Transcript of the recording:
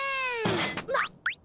なっ！